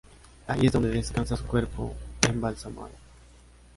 Allí es donde descansa su cuerpo embalsamado.